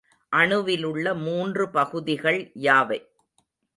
அணுவிலுள்ள மூன்று பகுதிகள் யாவை?